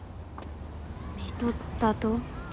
見とったと？